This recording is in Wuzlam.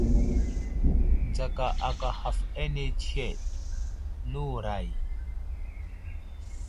Nzaka aka haf ane tsəheɗ, nəwuray !